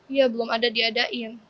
iya belum ada diadain